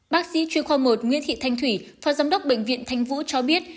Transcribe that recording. bác sĩ chuyên khoa một nguyễn thị thanh thủy phó giám đốc bệnh viện thanh vũ cho biết